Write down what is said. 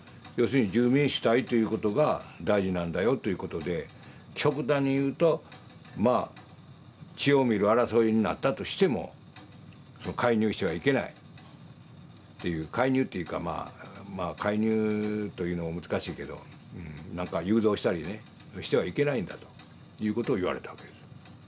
要するに住民主体ということが大事なんだよということで極端に言うとまあ血を見る争いになったとしても介入してはいけないっていう介入っていうかまあまあ介入というのも難しいけどなんか誘導したりねしてはいけないんだということを言われたわけです。